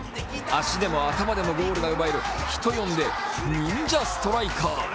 足でも頭でもゴールが奪える、人呼んで忍者ストライカー。